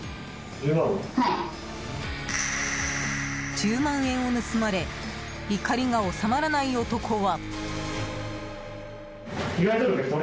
１０万円を盗まれ怒りが収まらない男は。